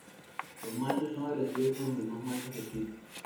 Los machos son agresivos con los demás machos vecinos.